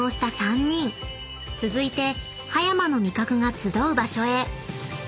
［続いて葉山の味覚が集う場所へ］